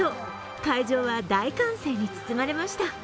会場は大歓声に包まれました。